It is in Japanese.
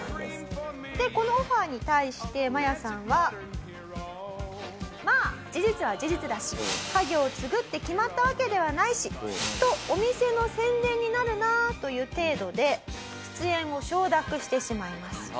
でこのオファーに対してマヤさんはまあ事実は事実だし家業を継ぐって決まったわけではないしとお店の宣伝になるなという程度で出演を承諾してしまいます。